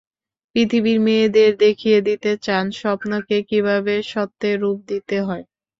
পৃথিবীর মেয়েদের দেখিয়ে দিতে চান, স্বপ্নকে কীভাবে সত্যে রূপ দিতে হয়।